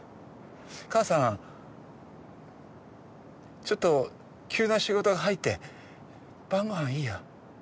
母さんちょっと急な仕事が入って晩ご飯いいや。